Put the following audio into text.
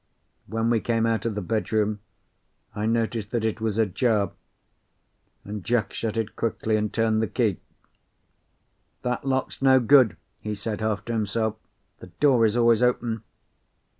When we came out of the bedroom I noticed that it was ajar, and Jack shut it quickly and turned the key. "That lock's no good," he said, half to himself. "The door is always open."